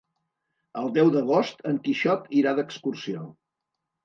El deu d'agost en Quixot irà d'excursió.